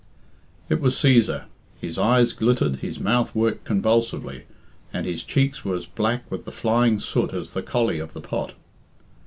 It was Cæsar. His eyes glittered, his mouth worked convulsively, and his cheeks were as black with the flying soot as the "colley" of the pot.